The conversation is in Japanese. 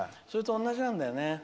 それと同じなんだよね。